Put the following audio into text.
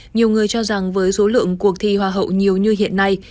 nhiều người cho rằng với số lượng cuộc thi hoa hậu nhiều như hiện nay